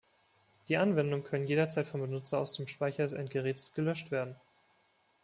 Die Anwendungen können jederzeit vom Benutzer aus dem Speicher des Endgerätes gelöscht werden.